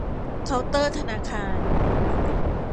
เคาน์เตอร์ธนาคาร